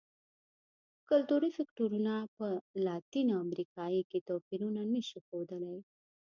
کلتوري فکټورونه په لاتینه امریکا کې توپیرونه نه شي ښودلی.